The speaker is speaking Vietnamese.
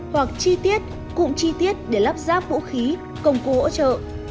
hoặc chi tiết cụm chi tiết để lắp ráp vũ khí công cụ hỗ trợ